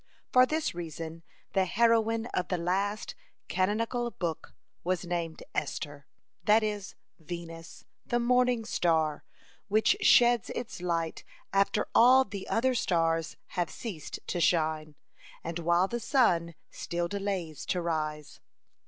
For this reason the heroine of the last canonical book was named Esther, that is, Venus, the morning star, which sheds its light after all the other stars have ceased to shine, and while the sun still delays to rise.